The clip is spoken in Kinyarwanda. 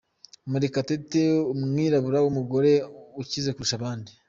murekatete, umwirabura w’umugore ukize kurusha abandi